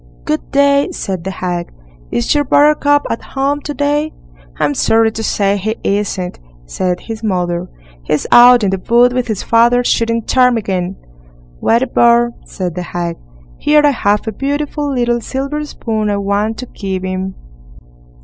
"Good day!" said the hag, "is your Buttercup at home to day?" "I'm sorry to say he isn't", said his mother; "he's out in the wood with his father, shooting ptarmigan." "What a bore", said the hag; "here I have a beautiful little silver spoon I want to give him."